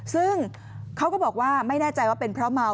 ซึ่งเขาก็บอกว่าไม่แน่ใจว่าเป็นเพราะเมา